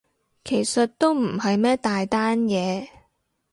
其實都唔係咩大單嘢